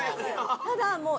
ただもう。